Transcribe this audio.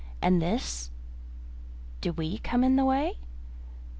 And this ! "Do we come in the way?